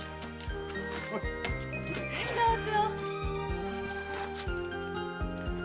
はいどうぞ！